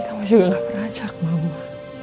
kamu juga nggak pernah cek mama